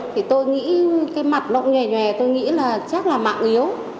thì tôi nghĩ cái mặt lộn nhòe nhòe tôi nghĩ là chắc là mạng yếu